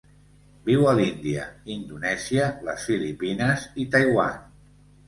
Viu a l'Índia, Indonèsia, les Filipines i Taiwan.